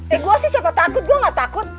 eh gue sih siapa takut gue gak takut